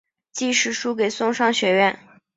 即使输给松商学园。